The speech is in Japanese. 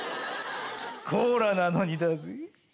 コーラなのにだぜ。